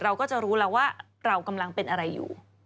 เราก็จะรู้แล้วว่าเรากำลังเป็นอะไรอยู่